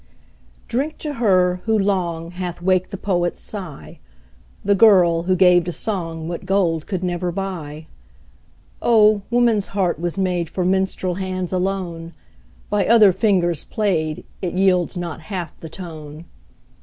Drink to her, who long, Hath waked the poet's sigh. The girl, who gave to song What gold could never buy. Oh! woman's heart was made For minstrel hands alone; By other fingers played, It yields not half the tone.